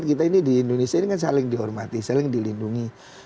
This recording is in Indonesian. kita ini di indonesia ini kan saling dihormati saling dilindungi